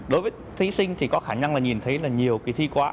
đối với thí sinh thì có khả năng là nhìn thấy là nhiều kỳ thi quá